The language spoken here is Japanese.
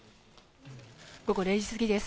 午後０時過ぎです。